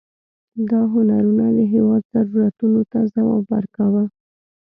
دا هنرونه د هېواد ضرورتونو ته ځواب ورکاوه.